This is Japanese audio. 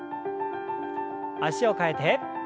脚を替えて。